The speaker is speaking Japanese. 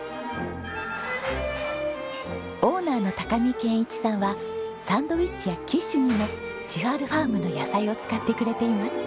オーナーの高見謙一さんはサンドイッチやキッシュにもちはるふぁーむの野菜を使ってくれています。